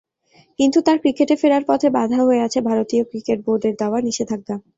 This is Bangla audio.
কিন্তু তাঁর ক্রিকেটে ফেরার পথে বাঁধা হয়ে আছে ভারতীয় বোর্ডের দেওয়া নিষেধাজ্ঞা।